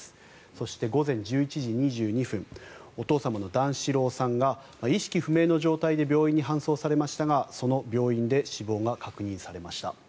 そして、午前１１時２２分お父様の段四郎さんが意識不明の状態で病院に搬送されましたがその病院で死亡が確認されました。